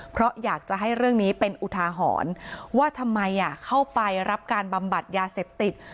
เพราะอยากจะให้เรื่องนี้เป็นอุทาหรณ์ว่าทำไมเข้าไปรับการบำบัดยาเสพติด